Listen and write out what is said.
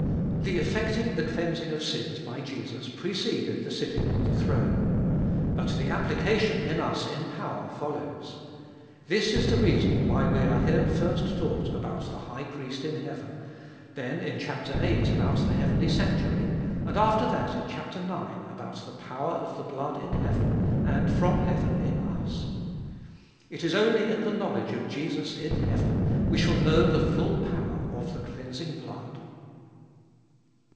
2. The effecting the cleansing of sins by Jesus preceded the sitting on the throne. But the application in us in power follows. This is the reason why we are here first taught about the High Priest in heaven, then in chap. viii. about the heavenly sanctuary, and after that in chap. ix. about the power of the blood in heaven, and from heaven in us. It is only in the knowledge of Jesus in heaven we shall know the full power of the cleansing blood.